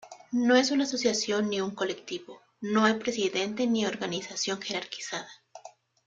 No es una asociación ni un colectivo, no hay presidente ni organización jerarquizada.